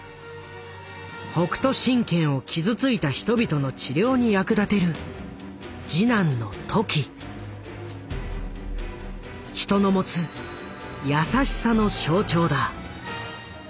北斗神拳を傷ついた人々の治療に役立てる人の持つ「優しさ」の象徴だ。